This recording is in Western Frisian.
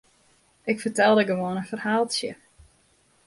Ik fertelde gewoan in ferhaaltsje.